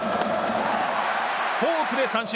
フォークで三振！